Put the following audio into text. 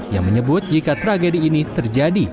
yang menyebut jika tragedi ini terjadi